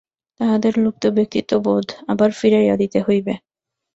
তাহাদের লুপ্ত ব্যক্তিত্ববোধ আবার ফিরাইয়া দিতে হইবে।